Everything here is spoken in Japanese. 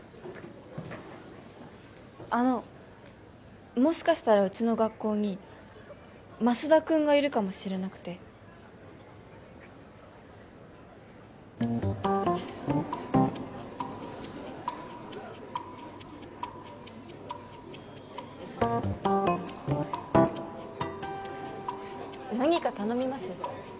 あのもしかしたらうちの学校にマスダ君がいるかもしれなくて何か頼みます？